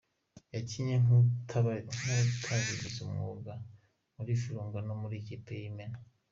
Yakinnye nk’utarabigize umwuga muri Virunga no mu ikipe y’Imena.